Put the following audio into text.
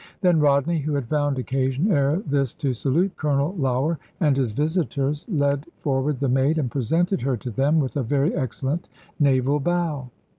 Then Rodney, who had found occasion ere this to salute Colonel Lougher and his visitors, led forward the maid, and presented her to them, with a very excellent naval bow.